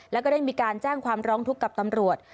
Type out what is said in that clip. แล้วก็ได้มีการแจ้งความร้องทุกข์กับตำรวจ